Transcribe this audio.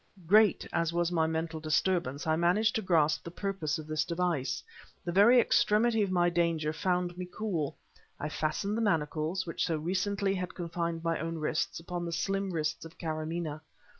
Great as was my mental disturbance, I managed to grasp the purpose of this device. The very extremity of my danger found me cool. I fastened the manacles, which so recently had confined my own wrists, upon the slim wrists of Karamaneh.